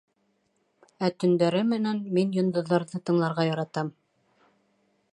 Ә төндәре менән мин йондоҙҙарҙы тыңларға яратам.